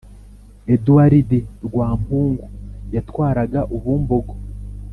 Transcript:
Eduwaridi Rwampungu yatwaraga Ubumbogo.